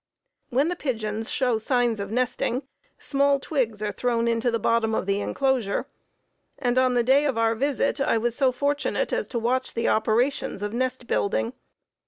When the pigeons show signs of nesting, small twigs are thrown onto the bottom of the inclosure; and, on the day of our visit, I was so fortunate as to watch the operations of nest building.